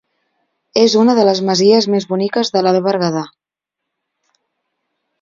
És una de les masies més boniques de l'Alt Berguedà.